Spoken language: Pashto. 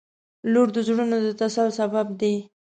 • لور د زړونو د تسل سبب دی.